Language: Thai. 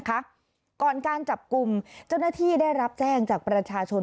ก่อนการจับกลุ่มเจ้าหน้าที่ได้รับแจ้งจากประชาชน